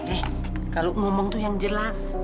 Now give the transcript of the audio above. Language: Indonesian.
eh kalau ngomong tuh yang jelas